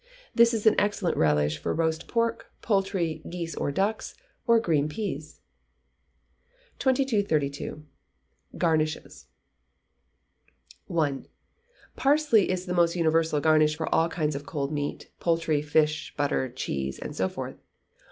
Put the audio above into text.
This is an excellent relish for roast pork, poultry, geese or ducks, or green peas. 2232. Garnishes. i. Parsley is the most universal garnish for all kinds of cold meat, poultry, fish, butter, cheese, and so forth.